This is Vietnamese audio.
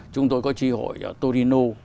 chúng tôi có tri hội ở torino